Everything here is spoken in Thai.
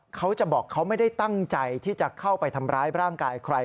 เขาจะบอกเขาไม่ได้ตั้งใจที่จะเข้าไปทำร้ายร่างกายใคร